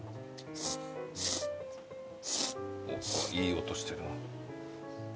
おっいい音してるな。